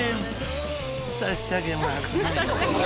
差し上げます。